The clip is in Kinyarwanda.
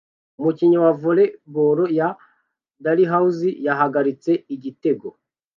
Umukinnyi wa volley ball ya Dalhausser yahagaritse igitego